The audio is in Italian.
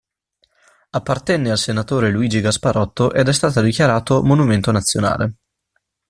Appartenne al Senatore Luigi Gasparotto ed è stato dichiarato monumento nazionale.